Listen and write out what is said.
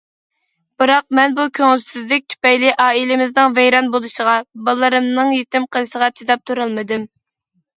بىراق مەن بۇ كۆڭۈلسىزلىك تۈپەيلى ئائىلىمىزنىڭ ۋەيران بولۇشىغا، بالىلىرىمنىڭ يېتىم قېلىشىغا چىداپ تۇرالمىدىم.